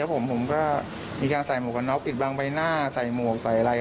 ผมก็มีการใส่หมวกกันน็อปิดบางใบหน้าใส่หมวกใส่อะไร